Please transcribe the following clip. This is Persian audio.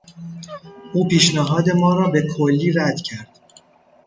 او پیشنهاد ما را به کلی رد کرد.